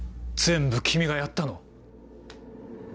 全部君がやったの？